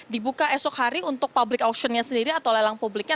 dibuka esok hari untuk public auction nya sendiri atau lelang publiknya